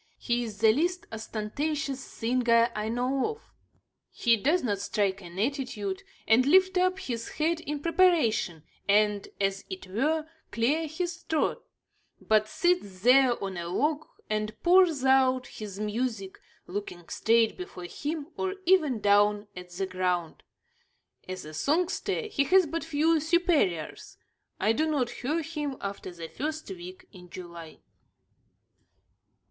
He is the least ostentatious singer I know of. He does not strike an attitude, and lift up his head in preparation, and, as it were, clear his throat; but sits there on a log and pours out his music, looking straight before him, or even down at the ground. As a songster, he has but few superiors. I do not hear him after the first week in July.